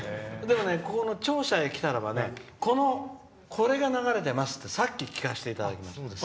この庁舎に来たらこれが流れていますってさっき、聞かせていただきました。